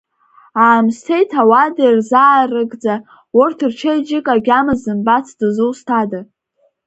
Аамсҭеи-ҭауади рзаарыгӡа, урҭ рчеиџьыка агьама зымбац дызусҭада?